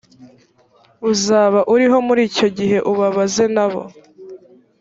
uzaba uriho muri icyo gihe ubabaze na bo